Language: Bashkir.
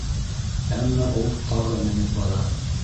Әммә ул тағы менеп бара!